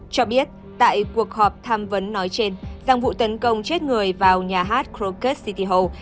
cho biết tại cuộc họp tham vấn nói trên rằng vụ tấn công chết người vào nhà hát kroket city hall